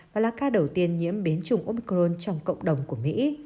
và là ca đầu tiên nhiễm biến chủng omcoron trong cộng đồng của mỹ